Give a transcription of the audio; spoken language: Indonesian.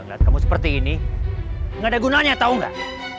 ngelihat kamu seperti ini gak ada gunanya tau gak